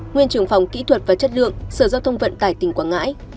nguyên trưởng phòng kỹ thuật và chất lượng sở giao thông vận tải tỉnh quảng ngãi